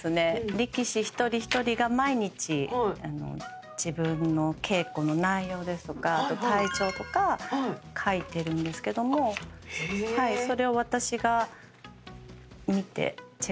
力士一人一人が毎日自分の稽古の内容ですとか体調とか書いてるんですけどもそれを私が見てチェックしてる。